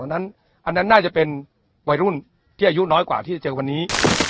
อันนั้นน่าจะเป็นวัยรุ่นที่อายุน้อยกว่าที่จะเจอวันนี้